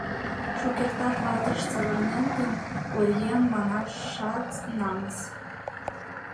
Шукертак ватыш савырнен гын, оръеҥ манашат намыс.